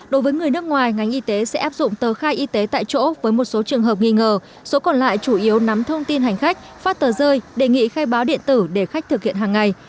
đối với người nước ngoài ngành y tế sẽ áp dụng tờ khai y tế tại chỗ với một số trường hợp nghi ngờ số còn lại chủ yếu nắm thông tin hành khách phát tờ rơi đề nghị khai báo điện tử để khách thực hiện hàng ngày